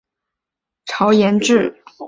魏晋南北朝沿置。